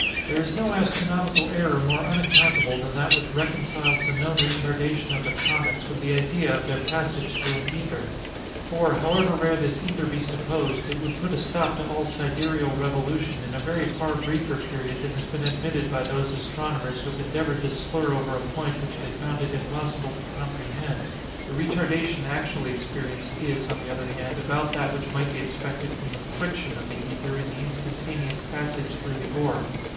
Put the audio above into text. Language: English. There is no astronomical error more unaccountable than that which reconciles the known retardation of the comets with the idea of their passage through an ether: for, however rare this ether be supposed, it would put a stop to all sidereal revolution in a very far briefer period than has been admitted by those astronomers who have endeavored to slur over a point which they found it impossible to comprehend. The retardation actually experienced is, on the other hand, about that which might be expected from the friction of the ether in the instantaneous passage through the orb.